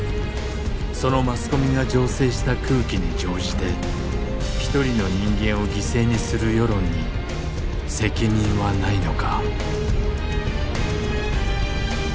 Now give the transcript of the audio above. そのマスコミが醸成した空気に乗じて一人の人間を犠牲にする世論に責任はないのか？